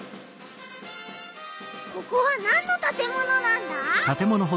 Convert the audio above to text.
ここはなんの建物なんだ？